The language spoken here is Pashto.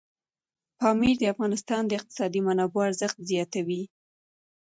پامیر د افغانستان د اقتصادي منابعو ارزښت زیاتوي.